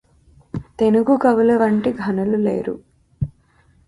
తెనుగు కవులవంటి ఘనులు లేరు